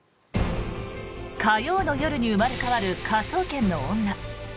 火曜の夜に生まれ変わる「科捜研の女」。